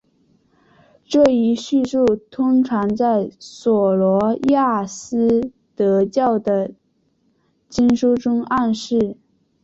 这一叙述通常在琐罗亚斯德教的经书中暗示。